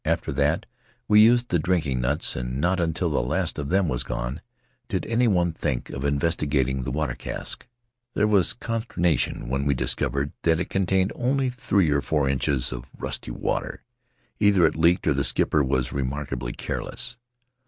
After that we used the drinking nuts, and not until the last of them was gone did anyone think of investigating the water cask. There was consternation when we discovered that it contained only three or four inches of rusty water — either it leaked or the skipper was remarkably careless.